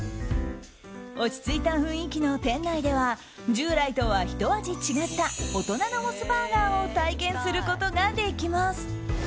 落ち着いた雰囲気の店内では従来とはひと味違った大人のモスバーガーを体験することができます。